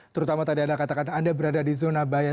terutama tadi anda katakan anda berada di zona bahaya